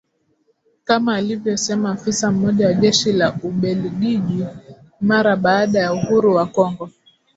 Kama alivyosema afisa mmoja wa jeshi la Ubeligiji mara baada ya uhuru wa Kongo